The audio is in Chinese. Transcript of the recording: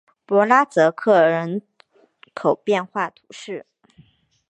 博拉泽克人口变化图示